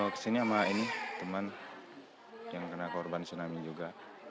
kesini sama ini teman yang kena korban tsunami juga